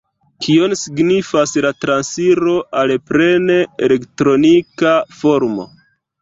Kion signifas la transiro al plene elektronika formo?